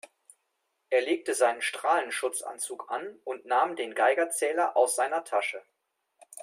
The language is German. Er legte seinen Strahlenschutzanzug an und nahm den Geigerzähler aus seiner Tasche.